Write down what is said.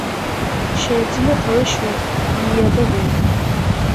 შეეძინათ ორი შვილი ილია და ვერა.